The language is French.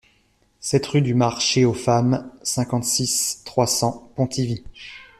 sept rue du Marché aux Femmes, cinquante-six, trois cents, Pontivy